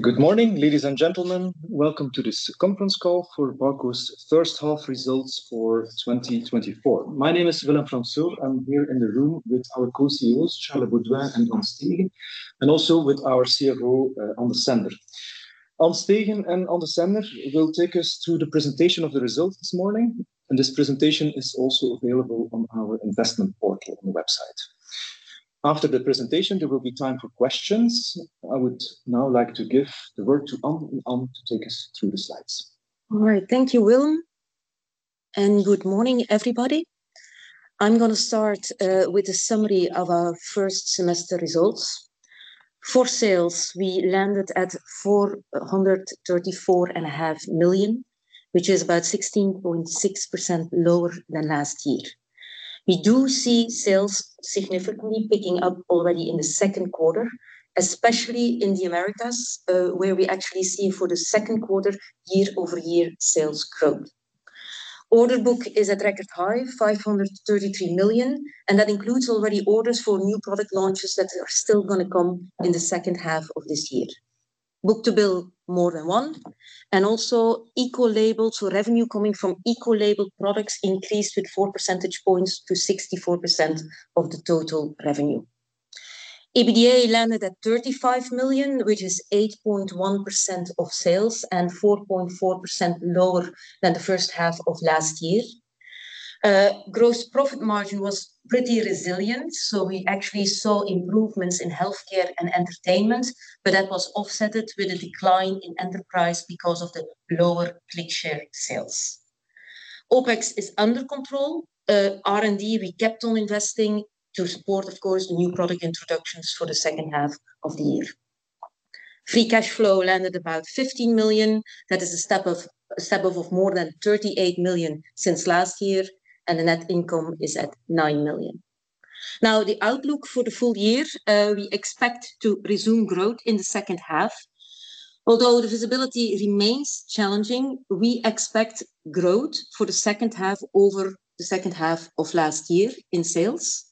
Good morning, ladies and gentlemen. Welcome to this conference call for Barco's first half results for 2024. My name is Willem Fransoo. I'm here in the room with our co-CEOs, Charles Beauduin and An Steegen, and also with our CFO, Ann Desender. An Steegen and Ann Desender will take us through the presentation of the results this morning, and this presentation is also available on our investment portal on the website. After the presentation, there will be time for questions. I would now like to give the word to An and Ann to take us through the slides. All right. Thank you, Willem, and good morning, everybody. I'm gonna start with a summary of our first semester results. For sales, we landed at 434.5 million, which is about 16.6% lower than last year. We do see sales significantly picking up already in the second quarter, especially in the Americas, where we actually see for the second quarter, year-over-year sales growth. Order book is at record high, 533 million, and that includes already orders for new product launches that are still gonna come in the second half of this year. Book-to-bill, more than one, and also Eco-label. So revenue coming from Eco-label products increased with four percentage points to 64% of the total revenue. EBITDA landed at 35 million, which is 8.1% of sales and 4.4% lower than the first half of last year. Gross profit margin was pretty resilient, so we actually saw improvements in healthcare and entertainment, but that was offset with a decline in enterprise because of the lower ClickShare sales. OpEx is under control. R&D, we kept on investing to support, of course, the new product introductions for the second half of the year. Free cash flow landed about 15 million. That is a step above of more than 38 million since last year, and the net income is at 9 million. Now, the outlook for the full year, we expect to resume growth in the second half. Although the visibility remains challenging, we expect growth for the second half over the second half of last year in sales,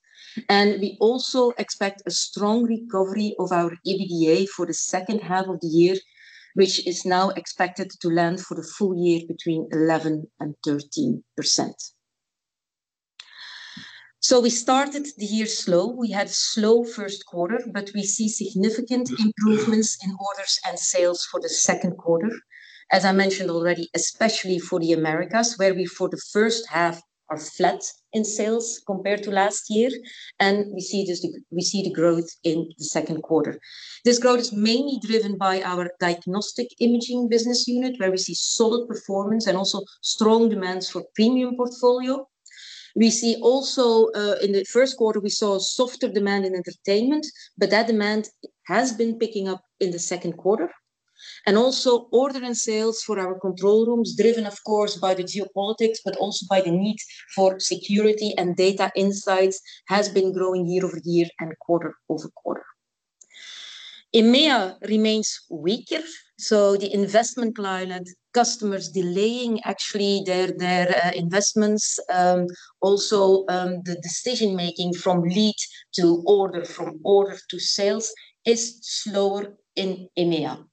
and we also expect a strong recovery of our EBITDA for the second half of the year, which is now expected to land for the full year between 11% and 13%. So we started the year slow. We had a slow first quarter, but we see significant improvements in orders and sales for the second quarter. As I mentioned already, especially for the Americas, where we, for the first half, are flat in sales compared to last year, and we see this, we see the growth in the second quarter. This growth is mainly driven by our Diagnostic Imaging business unit, where we see solid performance and also strong demands for premium portfolio. We see also, In the first quarter, we saw a softer demand in entertainment, but that demand has been picking up in the second quarter. Also, order and sales for our control rooms, driven, of course, by the geopolitics, but also by the need for security and data insights, has been growing year-over-year and quarter-over-quarter. EMEA remains weaker, so the investment client, customers delaying actually their investments. Also, the decision making from lead to order, from order to sales is slower in EMEA.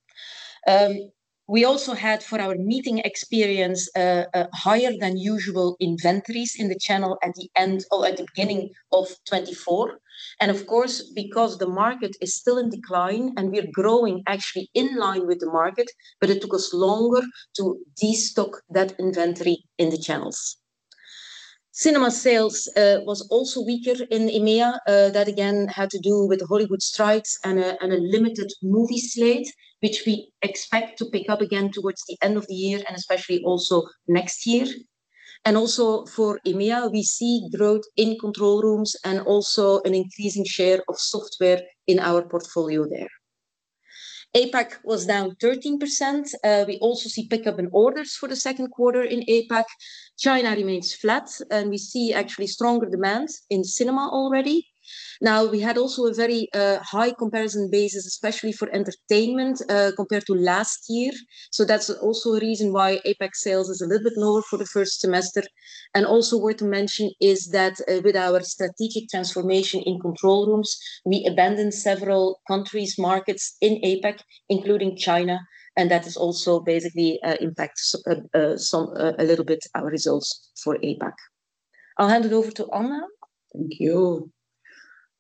We also had, for our Meeting Experience, a higher-than-usual inventories in the channel at the end or at the beginning of 2024. Of course, because the market is still in decline and we're growing actually in line with the market, but it took us longer to destock that inventory in the channels. Cinema sales was also weaker in EMEA. That again had to do with the Hollywood strikes and a limited movie slate, which we expect to pick up again towards the end of the year, and especially also next year. And also for EMEA, we see growth in control rooms and also an increasing share of software in our portfolio there. APAC was down 13%. We also see pickup in orders for the second quarter in APAC. China remains flat, and we see actually stronger demands in cinema already. Now, we had also a very high comparison basis, especially for entertainment, compared to last year. So that's also a reason why APAC sales is a little bit lower for the first semester. Also worth to mention is that, with our strategic transformation in control rooms, we abandoned several countries, markets in APAC, including China, and that is also basically impacts some a little bit our results for APAC. I'll hand it over to Ann now. Thank you.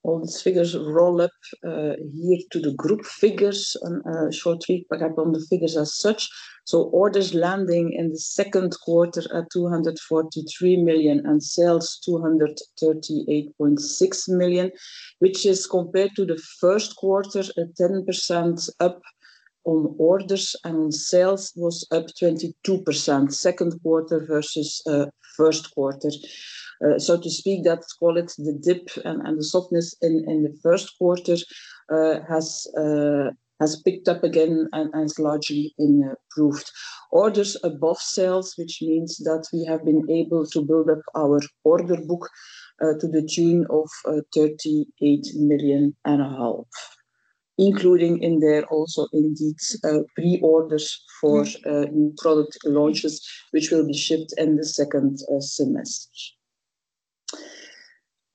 All these figures roll up here to the group figures. And shortly, perhaps on the figures as such. So orders landing in the second quarter at 243 million, and sales, 238.6 million, which is compared to the first quarter, at 10% up on orders, and on sales was up 22%, second quarter versus first quarter. So to speak, that call it the dip and the softness in the first quarter has picked up again and is largely improved. Orders above sales, which means that we have been able to build up our order book to the tune of 38.5 million, including in there also indeed pre-orders for new product launches, which will be shipped in the second semester.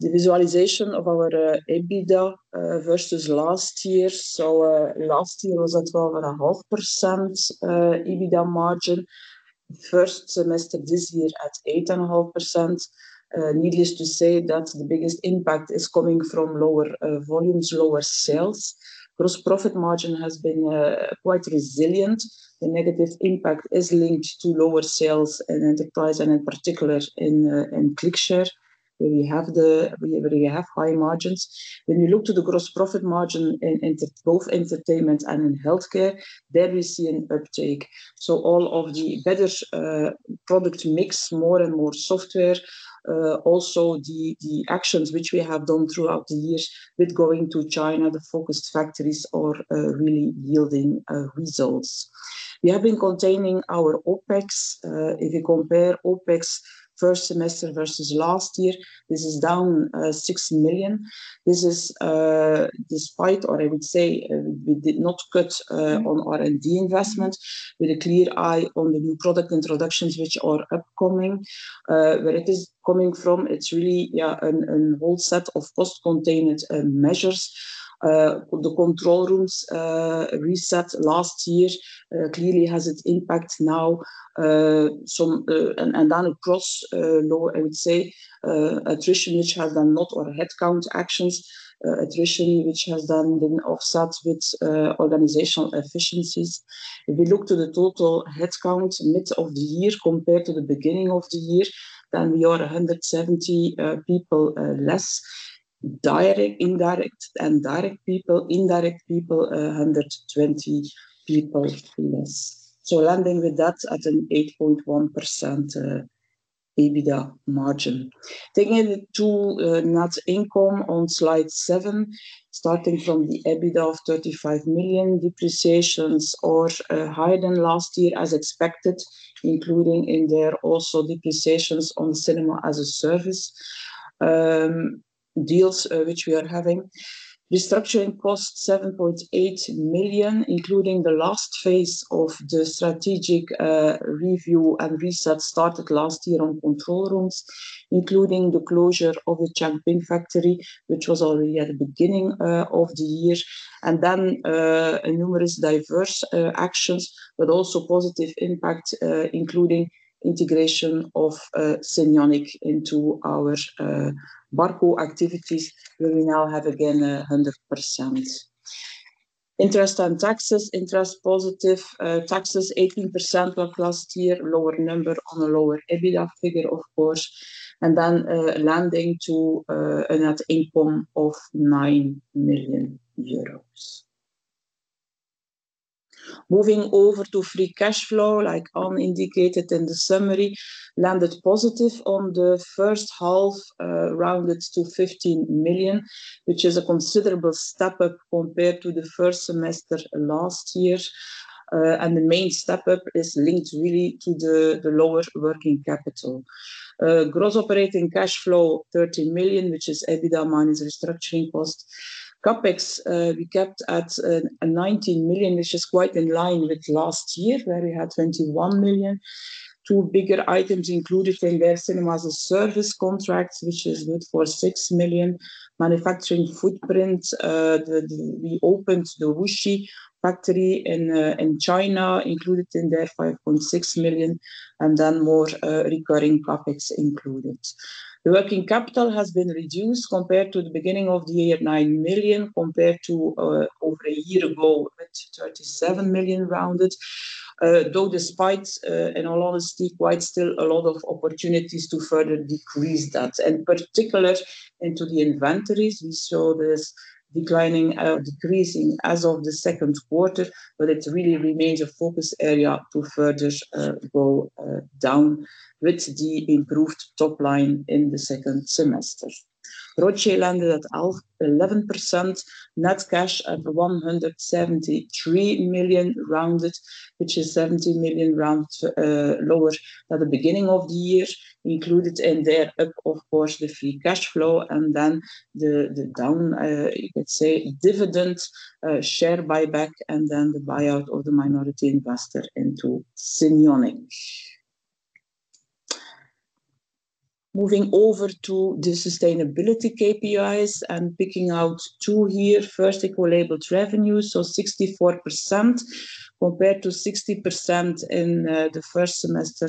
The visualization of our EBITDA versus last year. So, last year was at 12.5% EBITDA margin. First semester this year at 8.5%. Needless to say that the biggest impact is coming from lower volumes, lower sales. Gross profit margin has been quite resilient. The negative impact is linked to lower sales in Enterprise, and in particular, in ClickShare, where we have high margins. When you look to the gross profit margin in both Entertainment and in Healthcare, there we see an uptick. So all of the better product mix, more and more software, also the actions which we have done throughout the years with going to China, the focused factories are really yielding results. We have been containing our OpEx. If you compare OpEx first semester versus last year, this is down 6 million. This is despite, or I would say, we did not cut on R&D investment, with a clear eye on the new product introductions which are upcoming. Where it is coming from, it's really a whole set of cost containment measures. The control rooms reset last year clearly has its impact now. Some... and then across low, I would say, attrition, which has then not our headcount actions, attrition, which has then been offset with organizational efficiencies. If we look to the total headcount mid of the year compared to the beginning of the year, then we are 170 people less, direct, indirect, and direct people. Indirect people, 120 people less. So landing with that at an 8.1% EBITDA margin. Taking it to net income on slide seven, starting from the EBITDA of 35 million. Depreciations are higher than last year as expected, including in there also depreciations on Cinema as a Service deals, which we are having. Restructuring cost 7.8 million, including the last phase of the strategic review and reset started last year on control rooms, including the closure of the Changping factory, which was already at the beginning of the year. And then numerous diverse actions, but also positive impact, including integration of Cinionic into our Barco activities, where we now have again 100%. Interest and taxes: interest positive, taxes 18% of last year, lower number on a lower EBITDA figure, of course, and then, landing to, a net income of 9 million euros. Moving over to free cash flow, like Ann indicated in the summary, landed positive on the first half, rounded to 15 million, which is a considerable step up compared to the first semester last year. And the main step up is linked really to the lower working capital. Gross operating cash flow, 13 million, which is EBITDA minus restructuring cost. CapEx, we kept at, 19 million, which is quite in line with last year, where we had 21 million. Two bigger items included in there, Cinema as a Service contracts, which is good for 6 million. Manufacturing footprint, we opened the Wuxi factory in in China, included in there 5.6 million, and then more recurring CapEx included. The working capital has been reduced compared to the beginning of the year, 9 million, compared to over a year ago, at 37 million rounded. Though despite in all honesty, quite still a lot of opportunities to further decrease that. And particular into the inventories, we saw this declining, decreasing as of the second quarter, but it really remains a focus area to further go down with the improved top line in the second semester. ROCE landed at 11%, net cash at 173 million rounded, which is 17 million round lower than the beginning of the year. Included in there, up, of course, the free cash flow and then the, the down, you could say, dividend, share buyback, and then the buyout of the minority investor into Cinionic. Moving over to the sustainability KPIs, I'm picking out two here. First, Eco-labeled revenues, so 64% compared to 60% in the first semester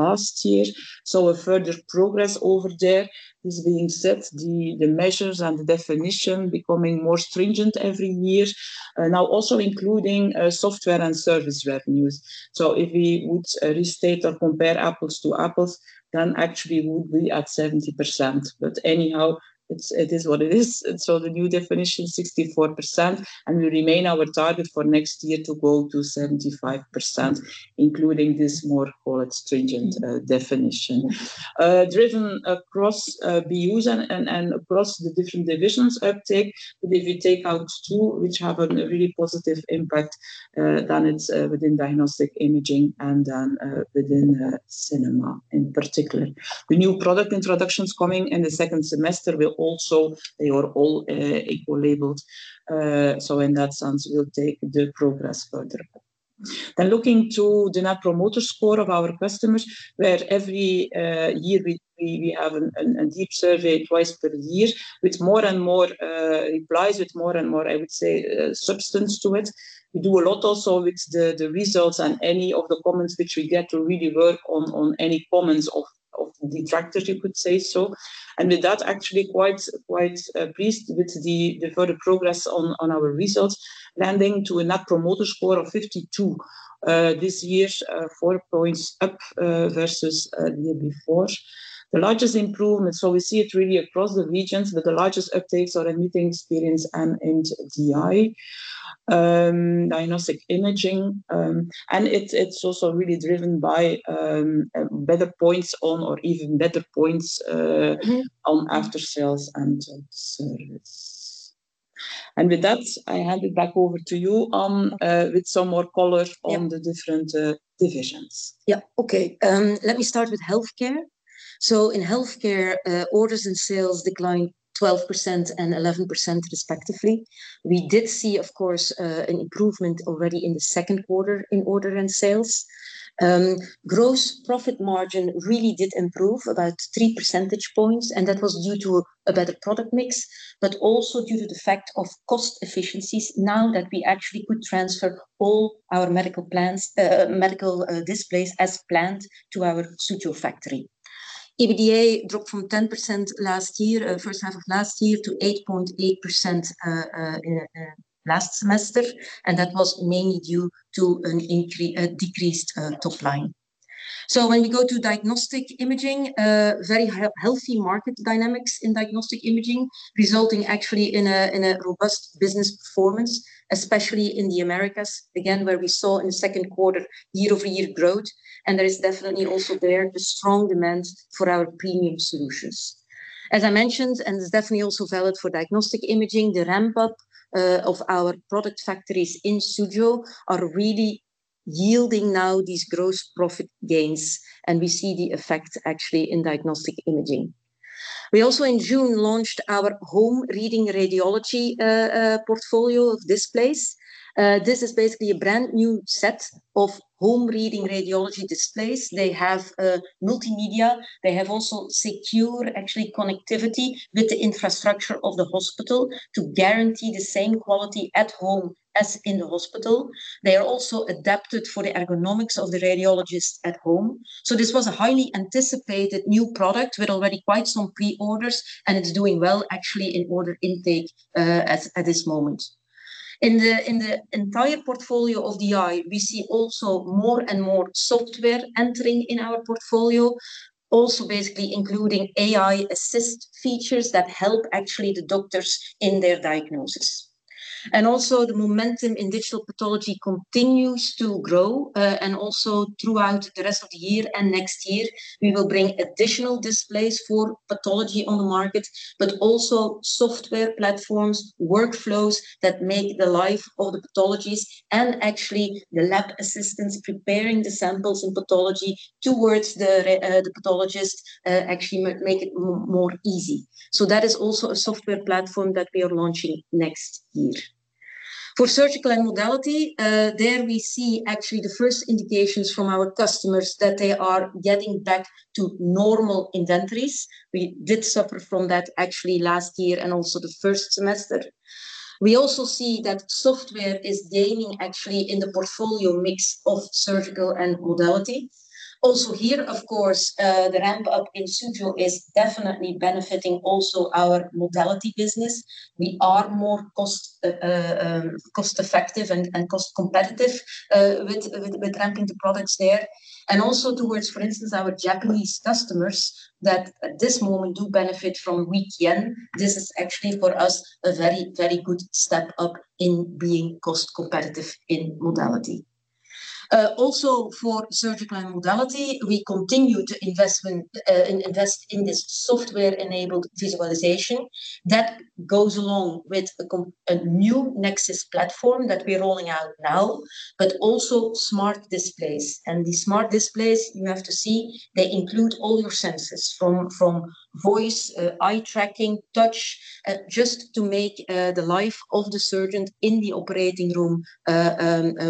last year. So a further progress over there is being set, the measures and the definition becoming more stringent every year. Now, also including software and service revenues. So if we would restate or compare apples to apples, then actually would be at 70%. But anyhow, it's- it is what it is. And so the new definition, 64%, and we remain our target for next year to go to 75%, including this more, call it, stringent definition. Driven across BUs and across the different divisions uptick. But if you take out two, which have a really positive impact, then it's within diagnostic imaging and then within cinema in particular. The new product introductions coming in the second semester will also... they are all Eco-labeled. So in that sense, we'll take the progress further. And looking to the Net Promoter Score of our customers, where every year we have a deep survey twice per year, with more and more replies, with more and more, I would say, substance to it. We do a lot also with the results and any of the comments which we get to really work on any comments of detractors, you could say so. With that, actually quite pleased with the further progress on our results, landing to a net promoter score of 52 this year, four points up versus the year before. The largest improvement, so we see it really across the regions, but the largest updates are in Meeting Experience and in DI, Diagnostic Imaging. And it's also really driven by better points on or even better points on aftersales and service. With that, I hand it back over to you, An, with some more color- Yeah. -on the different divisions. Yeah. Okay, let me start with Healthcare. So in Healthcare, orders and sales declined 12% and 11% respectively. We did see, of course, an improvement already in the second quarter in order and sales. Gross profit margin really did improve about 3 percentage points, and that was due to a better product mix, but also due to the fact of cost efficiencies now that we actually could transfer all our medical displays as planned to our Suzhou factory. EBITDA dropped from 10% last year, first half of last year, to 8.8%, in last semester, and that was mainly due to a decreased top line. So when we go to diagnostic imaging, very healthy market dynamics in diagnostic imaging, resulting actually in a robust business performance, especially in the Americas, again, where we saw in the second quarter, year-over-year growth, and there is definitely also there the strong demand for our premium solutions. As I mentioned, and it's definitely also valid for diagnostic imaging, the ramp-up of our product factories in Suzhou are really yielding now these gross profit gains, and we see the effect actually in diagnostic imaging. We also, in June, launched our home reading radiology portfolio of displays. This is basically a brand-new set of home reading radiology displays. They have multimedia. They have also secure, actually, connectivity with the infrastructure of the hospital to guarantee the same quality at home as in the hospital. They are also adapted for the ergonomics of the radiologist at home. So this was a highly anticipated new product with already quite some pre-orders, and it's doing well, actually, in order intake at this moment. In the entire portfolio of DI, we see also more and more software entering in our portfolio. Also, basically including AI assist features that help actually the doctors in their diagnosis. And also, the momentum in digital pathology continues to grow, and also throughout the rest of the year and next year, we will bring additional displays for pathology on the market, but also software platforms, workflows that make the life of the pathologists and actually the lab assistants preparing the samples in pathology towards the pathologist, actually make it more easy. So that is also a software platform that we are launching next year. For surgical and modality, there we see actually the first indications from our customers that they are getting back to normal inventories. We did suffer from that actually last year and also the first semester. We also see that software is gaining actually in the portfolio mix of surgical and modality. Also here, of course, the ramp-up in Suzhou is definitely benefiting also our modality business. We are more cost-effective and cost competitive with ramping the products there. And also towards, for instance, our Japanese customers, that at this moment do benefit from weak yen. This is actually for us, a very, very good step up in being cost competitive in modality. Also for surgical and modality, we continue to invest in this software-enabled visualization. That goes along with a new Nexxis platform that we're rolling out now, but also smart displays. And the smart displays, you have to see, they include all your senses, from voice, eye tracking, touch, just to make the life of the surgeon in the operating room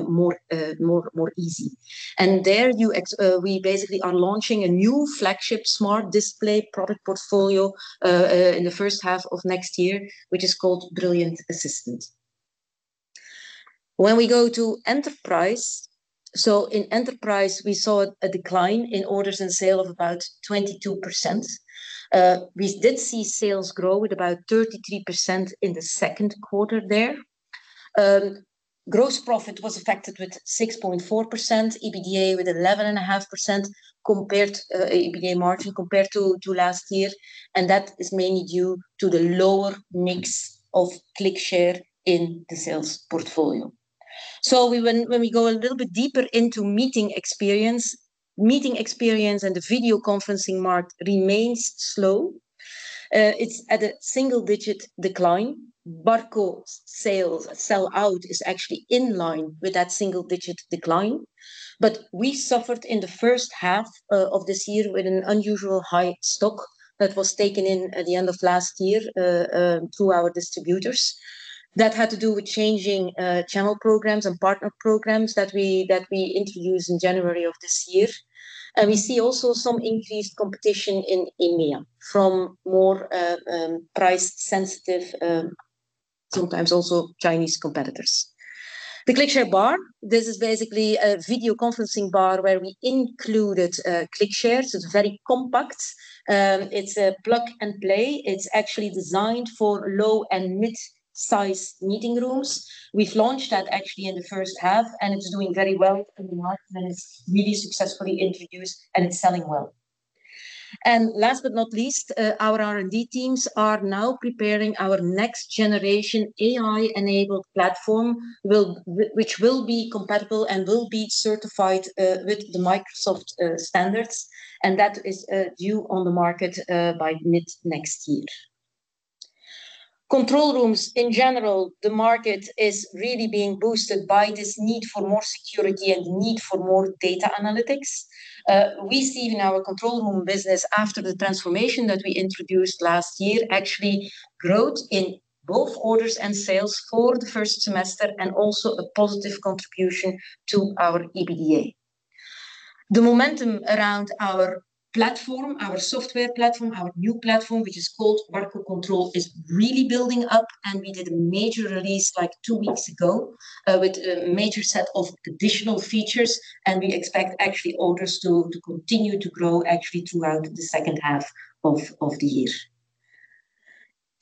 more easy. And there, we basically are launching a new flagship smart display product portfolio in the first half of next year, which is called Brilliant Assistant. When we go to enterprise. So in enterprise, we saw a decline in orders and sale of about 22%. We did see sales grow with about 33% in the second quarter there. Gross profit was affected with 6.4%, EBITDA with 11.5% compared, EBITDA margin compared to last year, and that is mainly due to the lower mix of ClickShare in the sales portfolio. So when we go a little bit deeper into Meeting Experience, Meeting Experience and the video conferencing market remains slow. It's at a single-digit decline. Barco sales sell-out is actually in line with that single-digit decline. But we suffered in the first half of this year with an unusual high stock that was taken in at the end of last year through our distributors. That had to do with changing channel programs and partner programs that we introduced in January of this year. We see also some increased competition in EMEA from more, price-sensitive, sometimes also Chinese competitors. The ClickShare Bar, this is basically a video conferencing bar where we included ClickShare, so it's very compact. It's a plug-and-play. It's actually designed for low and mid-size meeting rooms. We've launched that actually in the first half, and it's doing very well in the market, and it's really successfully introduced, and it's selling well. And last but not least, our R&D teams are now preparing our next generation AI-enabled platform, which will be compatible and will be certified with the Microsoft standards, and that is due on the market by mid-next year. Control rooms, in general, the market is really being boosted by this need for more security and need for more data analytics. We see in our control room business, after the transformation that we introduced last year, actually growth in both orders and sales for the first semester, and also a positive contribution to our EBITDA. The momentum around our platform, our software platform, our new platform, which is called Barco CTRL, is really building up, and we did a major release like two weeks ago, with a major set of additional features, and we expect actually orders to continue to grow actually throughout the second half of the year.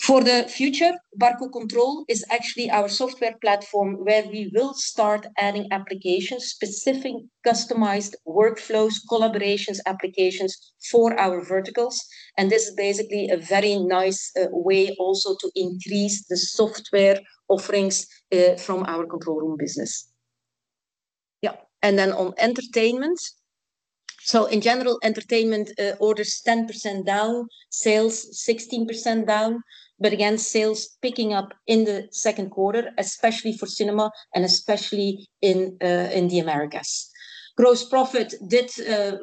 For the future, Barco CTRL is actually our software platform where we will start adding applications, specific customized workflows, collaborations, applications for our verticals, and this is basically a very nice way also to increase the software offerings from our control room business. Then on Entertainment: so in general, Entertainment, orders 10% down, sales 16% down, but again, sales picking up in the second quarter, especially for cinema and especially in the Americas. Gross profit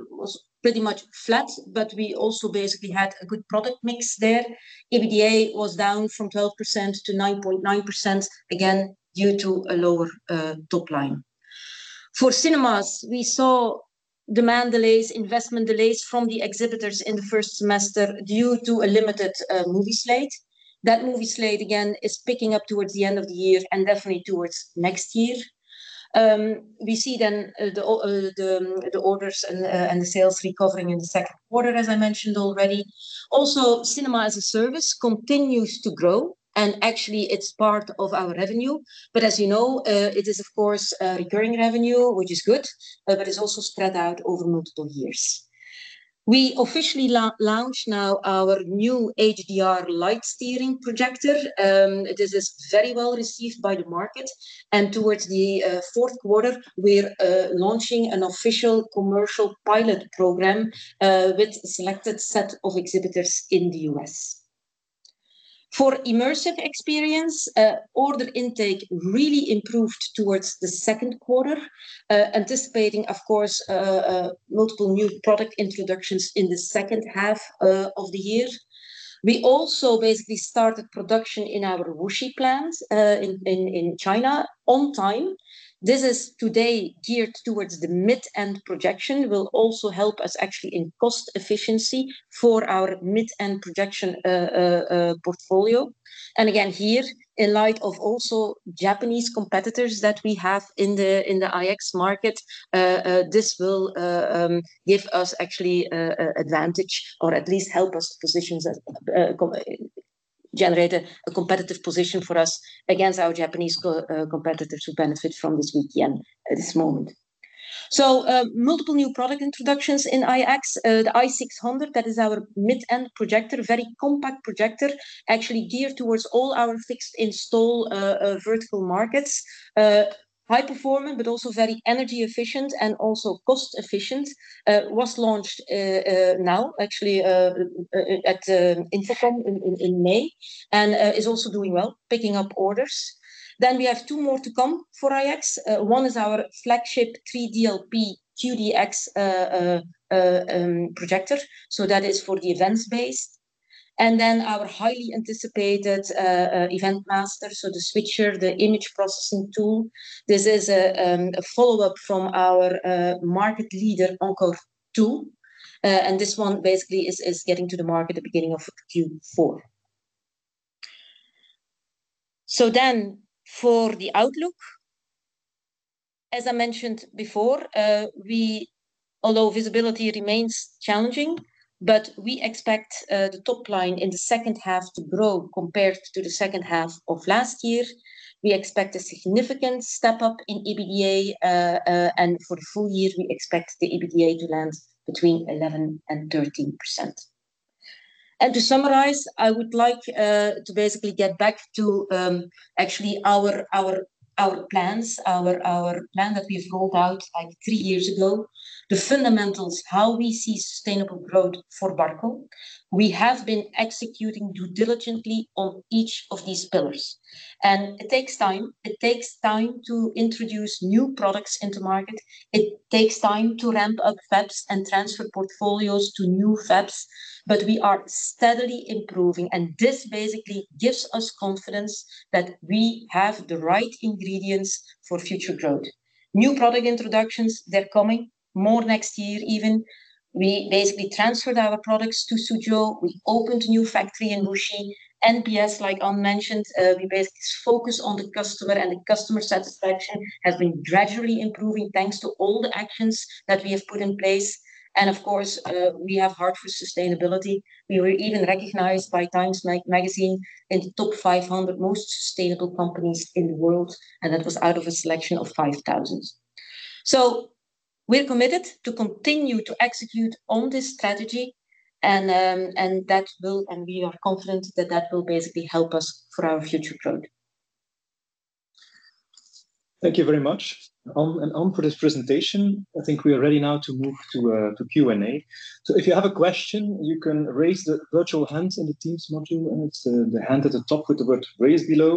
was pretty much flat, but we also basically had a good product mix there. EBITDA was down from 12% to 9.9%, again, due to a lower top line. For cinemas, we saw demand delays, investment delays from the exhibitors in the first semester due to a limited movie slate. That movie slate again is picking up towards the end of the year and definitely towards next year. We see then the orders and the sales recovering in the second quarter, as I mentioned already. Also, Cinema as a Service continues to grow, and actually it's part of our revenue. But as you know, it is of course a recurring revenue, which is good, but it's also spread out over multiple years. We officially launched now our new HDR light steering projector. It is very well received by the market, and towards the fourth quarter, we're launching an official commercial pilot program with a selected set of exhibitors in the U.S. For Immersive Experience, order intake really improved towards the second quarter, anticipating of course multiple new product introductions in the second half of the year. We also basically started production in our Wuxi plants in China on time. This is today geared towards the mid-end projection, will also help us actually in cost efficiency for our mid-end projection, portfolio. Again, here, in light of also Japanese competitors that we have in the IX market, this will give us actually an advantage or at least help us to position as, generate a competitive position for us against our Japanese competitors who benefit from this weak yen at this moment. Multiple new product introductions in IX. The I600, that is our mid-end projector, very compact projector, actually geared towards all our fixed install, vertical markets. High performing, but also very energy efficient and also cost efficient, was launched, now, actually, at InfoComm in May, and is also doing well, picking up orders. Then we have two more to come for IX. One is our flagship 3DLP QDX projector, so that is for the events-based. And then our highly anticipated Event Master, so the switcher, the image processing tool. This is a follow-up from our market leader, Encore 2, and this one basically is getting to the market at the beginning of Q4. So then, for the outlook, as I mentioned before, we... although visibility remains challenging, but we expect the top line in the second half to grow compared to the second half of last year. We expect a significant step-up in EBITDA, and for the full year, we expect the EBITDA to land between 11%-13%. And to summarize, I would like to basically get back to actually our plans, our plan that we've rolled out like three years ago... The fundamentals, how we see sustainable growth for Barco. We have been executing duly diligently on each of these pillars, and it takes time. It takes time to introduce new products into market. It takes time to ramp up fabs and transfer portfolios to new fabs, but we are steadily improving, and this basically gives us confidence that we have the right ingredients for future growth. New product introductions, they're coming, more next year even. We basically transferred our products to Suzhou. We opened a new factory in Wuxi. NPS, like An mentioned, we basically focus on the customer, and the customer satisfaction has been gradually improving, thanks to all the actions that we have put in place. And of course, we have heart for sustainability. We were even recognized by TIME Magazine in the top 500 most sustainable companies in the world, and that was out of a selection of 5,000. So we're committed to continue to execute on this strategy, and we are confident that that will basically help us for our future growth. Thank you very much, An, and Ann, for this presentation. I think we are ready now to move to Q&A. So if you have a question, you can raise the virtual hand in the Teams module, and it's the hand at the top with the word "Raise" below.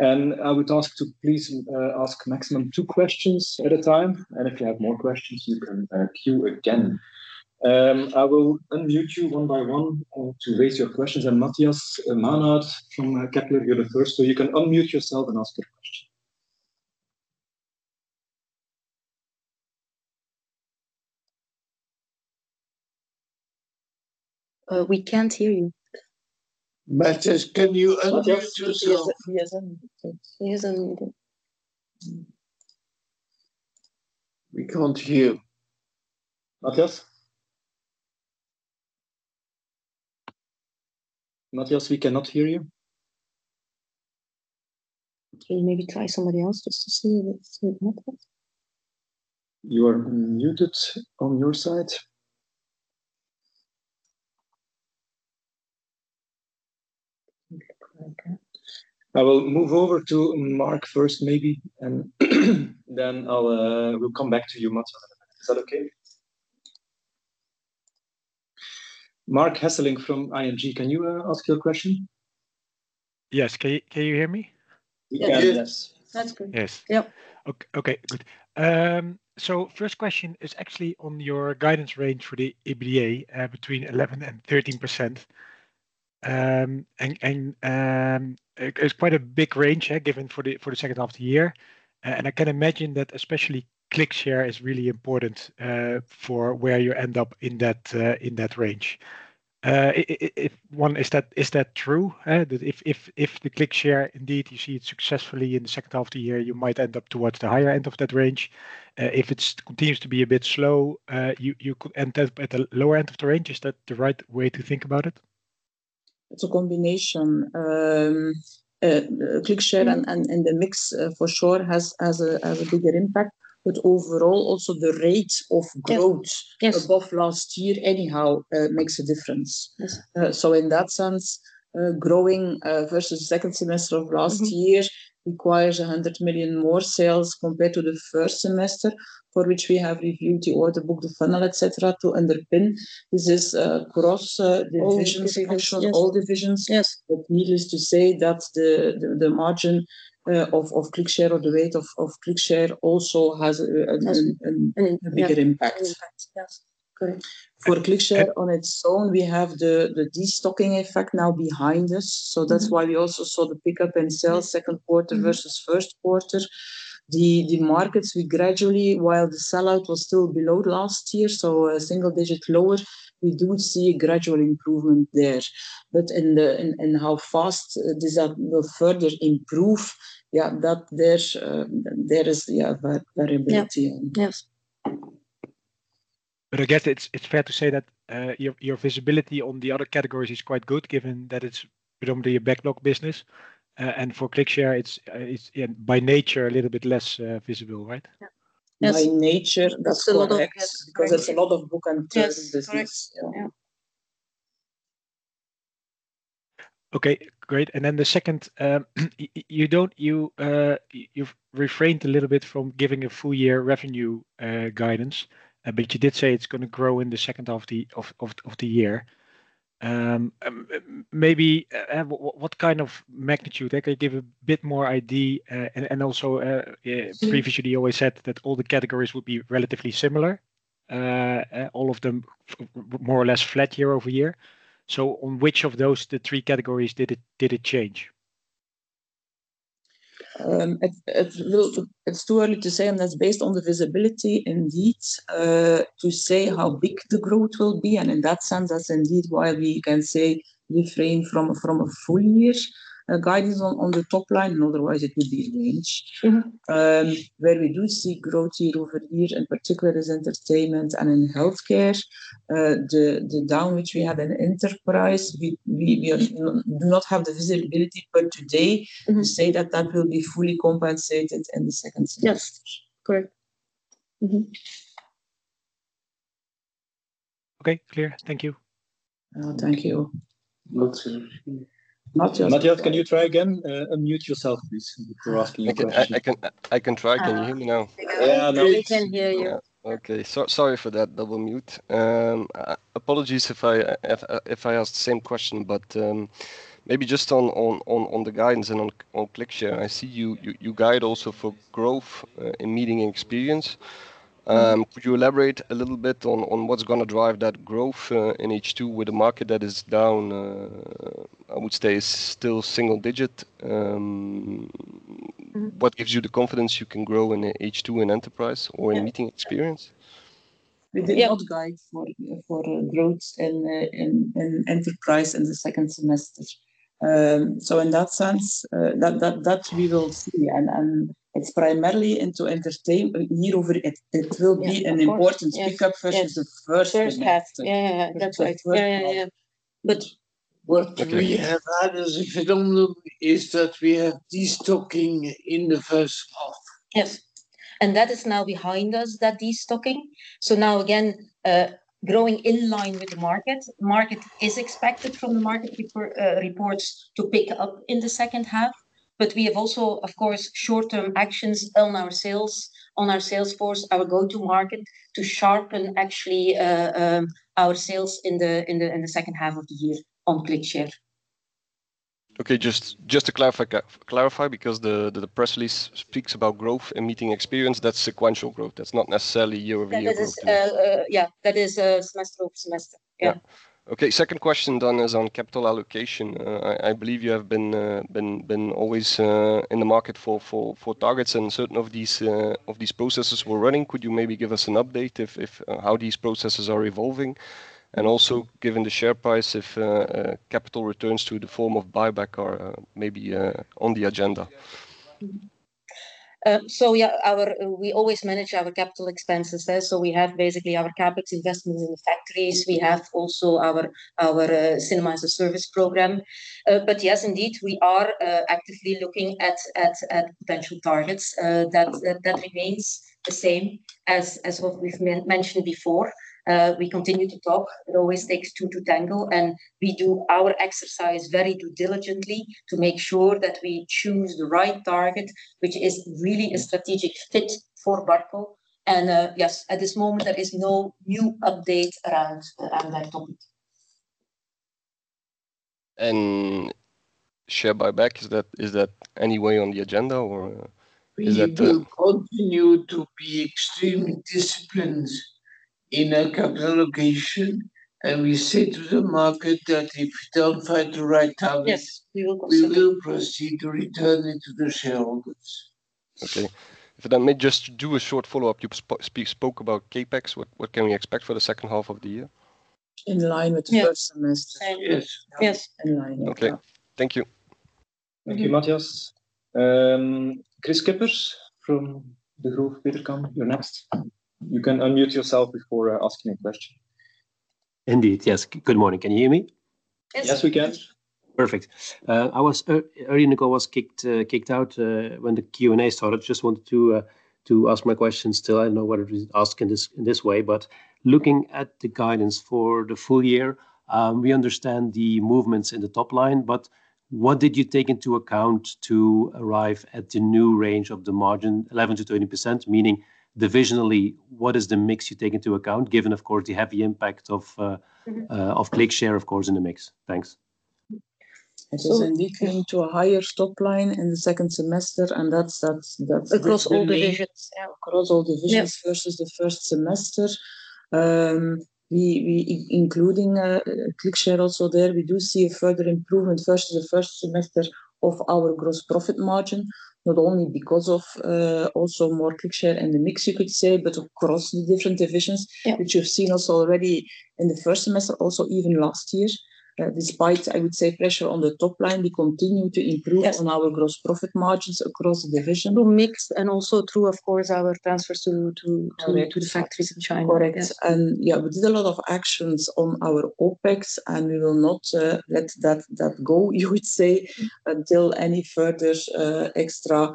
And I would ask to please ask maximum two questions at a time, and if you have more questions, you can queue again. I will unmute you one by one to raise your questions. And Matthias Maenhaut from Kepler Cheuvreux, you're the first, so you can unmute yourself and ask your question. We can't hear you. Matthias, can you unmute yourself? Matthias, he hasn't muted. He hasn't muted. We can't hear. Matthias? Matthias, we cannot hear you. Okay, maybe try somebody else just to see if it's Matthias. You are muted on your side. Okay. I will move over to Marc first, maybe, and then I'll, we'll come back to you, Matthias. Is that okay? Marc Hesselink from ING, can you ask your question? Yes. Can you, can you hear me? We can, yes. Yes. That's good. Yes. Yep. Okay, good. So first question is actually on your guidance range for the EBITDA between 11% and 13%. It's quite a big range, given for the second half of the year, and I can imagine that especially ClickShare is really important for where you end up in that range. Is that true that if the ClickShare, indeed, you see it successfully in the second half of the year, you might end up towards the higher end of that range? If it continues to be a bit slow, you could end up at the lower end of the range. Is that the right way to think about it? It's a combination. ClickShare and the mix, for sure, has a bigger impact, but overall, also the rate of growth- Yes... above last year anyhow, makes a difference. Yes. So in that sense, growing versus second semester of last year- Mm-hmm... requires 100 million more sales compared to the first semester, for which we have reviewed the order book, the funnel, et cetera, to underpin. This is across divisions- All divisions, yes. All divisions. Yes. But needless to say, that's the margin of ClickShare or the weight of ClickShare also has a, an, an- An-... a bigger impact. An impact, yes. Correct. For ClickShare on its own, we have the destocking effect now behind us, so- Mm-hmm... that's why we also saw the pickup in sales second quarter- Yes... versus first quarter. The markets, we gradually, while the sellout was still below last year, so a single-digit lower, we do see gradual improvement there. But in the... in how fast this that will further improve, yeah, that there's there is, yeah, variability. Yep. Yes. But I guess it's fair to say that your visibility on the other categories is quite good, given that it's predominantly a backlog business. And for ClickShare, it's yeah, by nature, a little bit less visible, right? Yeah. Yes. By nature, that's for next- Yes, correct... because it's a lot of book-to-bill and- Yes... business. Yeah. Okay, great. And then the second, you don't... You've refrained a little bit from giving a full year revenue guidance, but you did say it's going to grow in the second half of the year. Maybe what kind of magnitude? That could give a bit more idea, and also, yeah- Mm-hmm... previously, you always said that all the categories would be relatively similar, all of them more or less flat year-over-year. So on which of those, the three categories did it, did it change? It's too early to say, and that's based on the visibility indeed to say how big the growth will be, and in that sense, that's indeed why we can say we refrain from a full year guidance on the top line, and otherwise, it would be range. Mm-hmm. Where we do see growth year-over-year, in particular, is entertainment and in healthcare. The down which we have in enterprise, we do not have the visibility, but today- Mm-hmm... we say that that will be fully compensated in the second semester. Yes, correct. Mm-hmm.... Okay, clear. Thank you. Oh, thank you. Matthias. Matthias, can you try again? Unmute yourself, please, for asking your question. I can try. Can you hear me now? Yeah, now- We can hear you. Yeah. Okay, so sorry for that double mute. Apologies if I ask the same question, but maybe just on the guidance and on ClickShare, I see you guide also for growth in meeting and experience. Mm-hmm. Could you elaborate a little bit on what's gonna drive that growth in H2 with a market that is down, I would say is still single digit? Mm-hmm... What gives you the confidence you can grow in H2 in enterprise or- Yeah in meeting experience? With the old guide for growth in enterprise in the second semester. So in that sense, that we will see. And it's primarily into entertainment. Yeah, of course, an important pick-up versus the first half. Yes, first half. Yeah, yeah, yeah. That's right. Yeah, yeah, yeah. But- What we have had is, if you don't know, is that we have de-stocking in the first half. Yes, and that is now behind us, that de-stocking. So now again, growing in line with the market. Market is expected from the market report, reports to pick up in the second half, but we have also, of course, short-term actions on our sales, on our sales force, our go-to-market, to sharpen actually, our sales in the second half of the year on ClickShare. Okay. Just to clarify, because the press release speaks about growth and meeting experience, that's sequential growth. That's not necessarily year-over-year growth. That is, yeah, that is, semester over semester. Yeah. Okay. Second question is on capital allocation. I believe you have been always in the market for targets, and certain of these processes were running. Could you maybe give us an update on how these processes are evolving? And also, given the share price, if capital returns to the form of buyback or maybe on the agenda? Mm-hmm. So yeah, our. We always manage our capital expenses there. So we have basically our CapEx investments in the factories. We have also our Cinema as a Service program. But yes, indeed, we are actively looking at potential targets. That remains the same as what we've mentioned before. We continue to talk. It always takes two to tango, and we do our exercise very diligently to make sure that we choose the right target, which is really a strategic fit for Barco. Yes, at this moment, there is no new update around that topic. Share buyback, is that, is that any way on the agenda, or is that... We will continue to be extremely disciplined in our capital allocation, and we say to the market that if we don't find the right target- Yes, we will- We will proceed to return it to the shareholders. Okay. If I may just do a short follow-up, you spoke about CapEx. What can we expect for the second half of the year? In line with the first semester. Yes. Yes. Yes, in line, yeah. Okay. Thank you. Thank you. Thank you, Matthias. Kris Kippers from Degroof Petercam, you're next. You can unmute yourself before asking a question. Indeed, yes. Good morning. Can you hear me? Yes, we can. Yes. Perfect. I was earlier, Nicole was kicked out when the Q&A started. Just wanted to ask my questions still. I don't know whether to ask in this way, but looking at the guidance for the full year, we understand the movements in the top line, but what did you take into account to arrive at the new range of the margin, 11%-20%, meaning divisionally, what is the mix you take into account, given, of course, the heavy impact of, - Mm-hmm... of ClickShare, of course, in the mix? Thanks. So indeed coming to a higher top line in the second semester, and that's across all the divisions, yeah. Across all the divisions, yeah, versus the first semester. Including ClickShare also there, we do see a further improvement versus the first semester of our gross profit margin, not only because of also more ClickShare and the mix, you could say, but across the different divisions. Yeah. Which you've seen also already in the first semester, also even last year. Despite, I would say, pressure on the top line, we continue to improve. Yes. On our gross profit margins across the division. Through mix and also through, of course, our transfers to the factories in China. Correct. Yes. Yeah, we did a lot of actions on our OpEx, and we will not let that go, you would say, until any further extra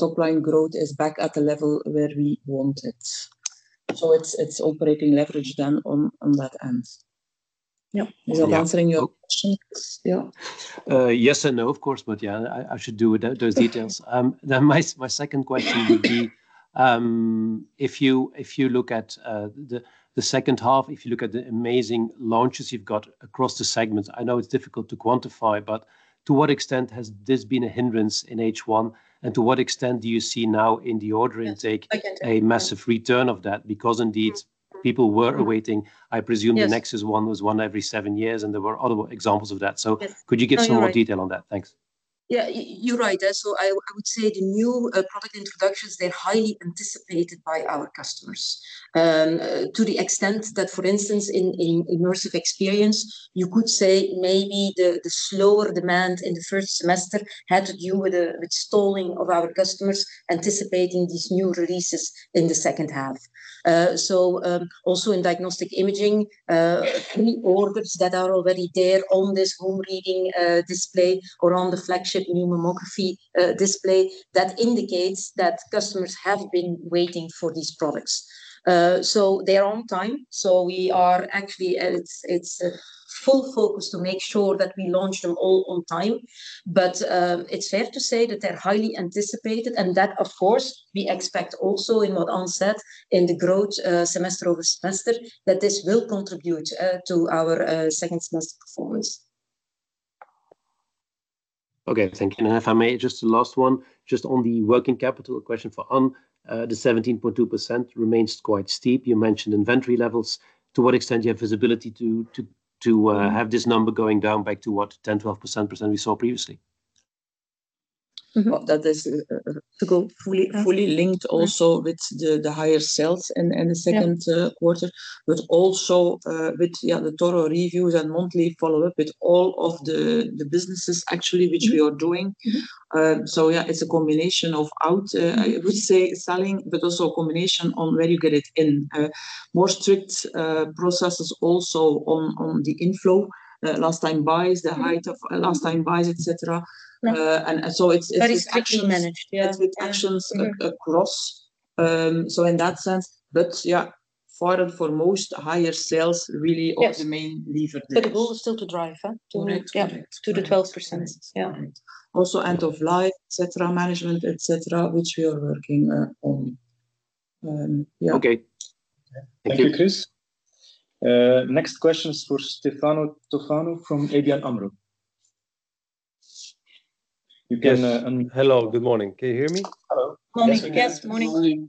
top-line growth is back at the level where we want it. So it's operating leverage then on that end. Yeah. Is that answering your question? Yeah. Yes and no, of course, but yeah, I should do with those details. Then my second question would be, if you look at the second half, if you look at the amazing launches you've got across the segments, I know it's difficult to quantify, but to what extent has this been a hindrance in H1, and to what extent do you see now in the order intake? Again... a massive return of that? Because indeed, people were awaiting, I presume- Yes... the Nexxis one was one every seven years, and there were other examples of that. Yes. Could you give some more detail on that? Thanks. Yeah, you're right. So I would say the new product introductions, they're highly anticipated by our customers. To the extent that, for instance, in immersive experience, you could say maybe the slower demand in the first semester had to do with the stalling of our customers anticipating these new releases in the second half. So, also in diagnostic imaging, pre-orders that are already there on this home reading display or on the flagship new mammography display, that indicates that customers have been waiting for these products. So they are on time, so we are actually... It's a full focus to make sure that we launch them all on time. But, it's fair to say that they're highly anticipated, and that, of course, we expect also in what onset, in the growth semester over semester, that this will contribute to our second semester performance.... Okay, thank you. If I may, just the last one, just on the working capital question for Ann. The 17.2% remains quite steep. You mentioned inventory levels. To what extent do you have visibility to have this number going down back to what? 10, 12%, we saw previously? Mm-hmm. Well, that is to go fully linked also with the higher sales in the second quarter, but also with yeah, the thorough reviews and monthly follow-up with all of the businesses actually, which we are doing. Mm-hmm. So yeah, it's a combination of out, I would say selling, but also a combination on where you get it in. More strict processes also on, on the inflow. Last time buys, the height of last time buys, et cetera. Yeah. and so it's actions- Very strictly managed, yeah. It's with actions across. So in that sense, but yeah, far and for most, higher sales really- Yes... are the main lever. But the goal is still to drive, huh? Correct. Correct. Yeah, to the 12%. Yeah. Also, end of life, et cetera, management, et cetera, which we are working on. Yeah. Okay. Thank you, Kris. Next question is for Stefano Toffano from ABN AMRO. You can, Yes. Hello, good morning. Can you hear me? Hello. Yes, morning. Good morning.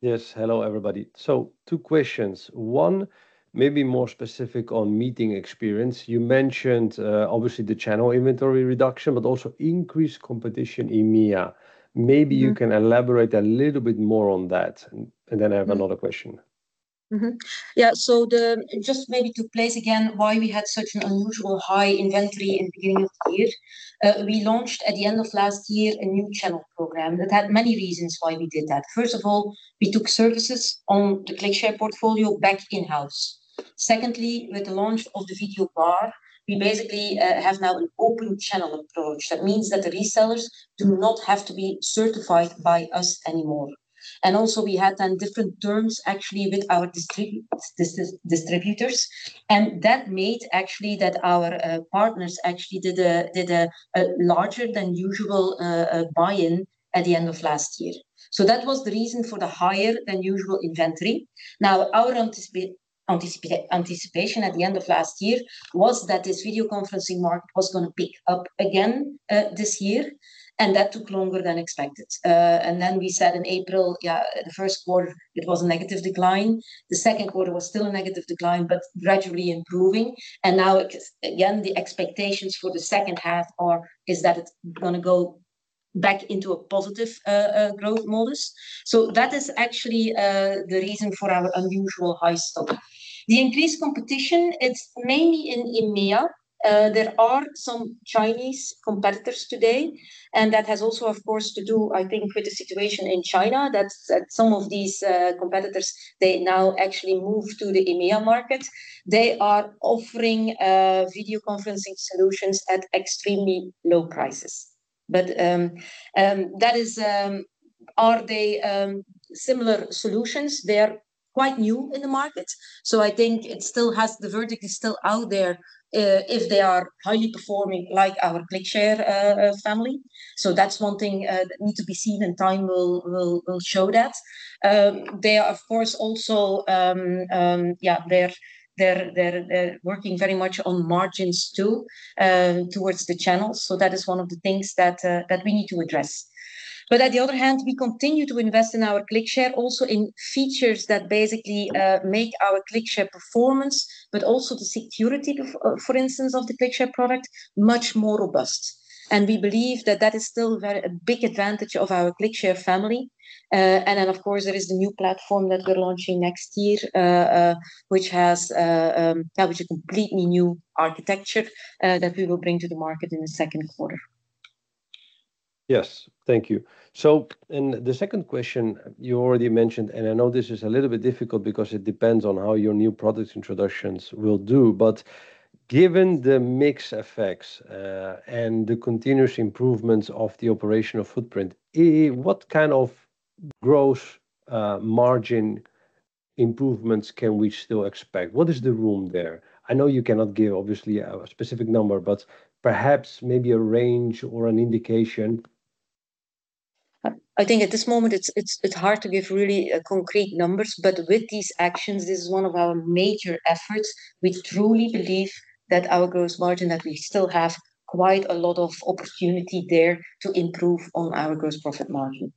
Yes, hello, everybody. Two questions. One, maybe more specific on meeting experience. You mentioned, obviously, the channel inventory reduction, but also increased competition in EMEA. Mm-hmm. Maybe you can elaborate a little bit more on that, and then I have another question. Yeah, so just maybe to place again why we had such an unusual high inventory in the beginning of the year. We launched, at the end of last year, a new channel program. That had many reasons why we did that. First of all, we took services on the ClickShare portfolio back in-house. Secondly, with the launch of the Video Bar, we basically have now an open channel approach. That means that the resellers do not have to be certified by us anymore. And also, we had then different terms actually with our distributors, and that made actually that our partners actually did a larger than usual buy-in at the end of last year. So that was the reason for the higher than usual inventory. Now, our anticipation at the end of last year was that this video conferencing market was going to pick up again, this year, and that took longer than expected. And then we said in April, the first quarter it was a negative decline. The second quarter was still a negative decline, but gradually improving. And now, again, the expectations for the second half are, is that it's gonna go back into a positive, growth modus. So that is actually, the reason for our unusual high stock. The increased competition, it's mainly in EMEA. There are some Chinese competitors today, and that has also, of course, to do, I think, with the situation in China, that, that some of these, competitors, they now actually move to the EMEA market. They are offering, video conferencing solutions at extremely low prices. But, that is... Are they similar solutions? They are quite new in the market, so I think it still has- the verdict is still out there, if they are highly performing like our ClickShare family. So that's one thing, that need to be seen, and time will show that. They are, of course, also, yeah, they're working very much on margins, too, towards the channel. So that is one of the things that we need to address. But on the other hand, we continue to invest in our ClickShare, also in features that basically, make our ClickShare performance, but also the security of, for instance, of the ClickShare product, much more robust. And we believe that is still very, a big advantage of our ClickShare family. And then, of course, there is the new platform that we're launching next year, which has a completely new architecture that we will bring to the market in the second quarter. Yes. Thank you. So in the second question, you already mentioned, and I know this is a little bit difficult because it depends on how your new product introductions will do, but given the mix effects, and the continuous improvements of the operational footprint, what kind of gross margin improvements can we still expect? What is the room there? I know you cannot give obviously, a specific number, but perhaps maybe a range or an indication. I think at this moment it's hard to give really concrete numbers, but with these actions, this is one of our major efforts. We truly believe that our gross margin, that we still have quite a lot of opportunity there to improve on our gross profit margin.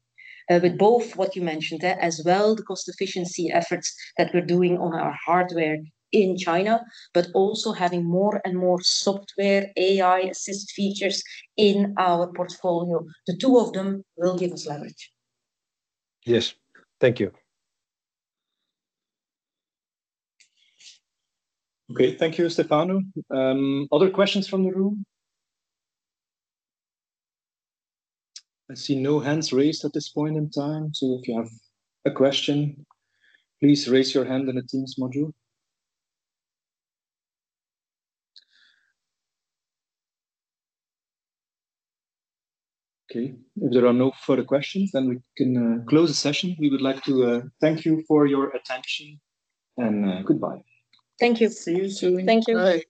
With both what you mentioned, as well, the cost efficiency efforts that we're doing on our hardware in China, but also having more and more software, AI assist features in our portfolio. The two of them will give us leverage. Yes. Thank you. Okay. Thank you, Stefano. Other questions from the room? I see no hands raised at this point in time, so if you have a question, please raise your hand in the Teams module. Okay, if there are no further questions, then we can close the session. We would like to thank you for your attention, and goodbye. Thank you. See you soon. Thank you. Bye.